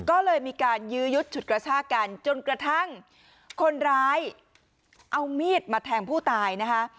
ก็เลยมีการยื้อยุดฉุดกระชากันจนกระทั่งคนร้ายเอามีดมาแทงผู้ตายนะคะ